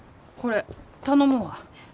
これ頼むわ。